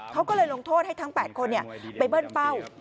เขาก็เลยลงโทษให้ทั้ง๘คนไปเบิ้ลเป้า